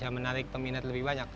menarik peminat lebih banyak